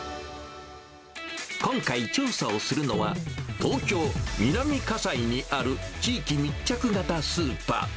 今回、調査をするのは、東京・南葛西にある地域密着型スーパー。